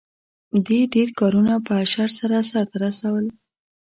دې ډېر کارونه په اشر سره سرته رسول.